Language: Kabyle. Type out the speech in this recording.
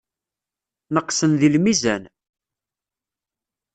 Neqsen deg lmizan.